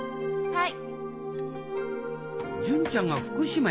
はい。